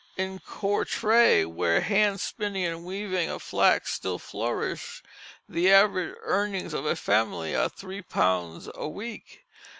In Courtrai, where hand spinning and weaving of flax still flourish, the average earnings of a family are three pounds a week.